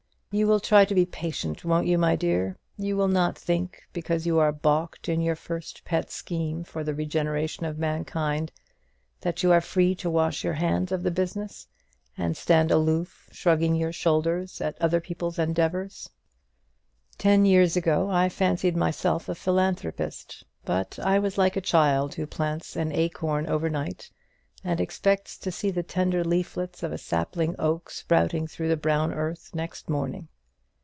You will try to be patient, won't you, my dear? You will not think, because you are baulked in your first pet scheme for the regeneration of mankind, that you are free to wash your hands of the business, and stand aloof shrugging your shoulders at other people's endeavours. Ten years ago I fancied myself a philanthropist; but I was like a child who plants an acorn over night, and expects to see the tender leaflets of a sapling oak sprouting through the brown earth next morning.